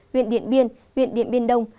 huyện điện biên huyện điện biên đông